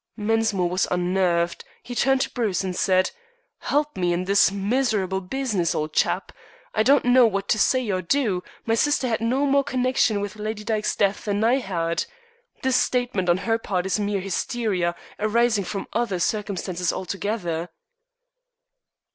Mensmore was unnerved. He turned to Bruce, and said: "Help me in this miserable business, old chap. I don't know what to say or do; my sister had no more connection with Lady Dyke's death than I had. This statement on her part is mere hysteria, arising from other circumstances altogether."